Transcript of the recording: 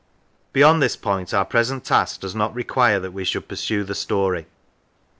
Beyond this point our present task does not require that we should pursue the story.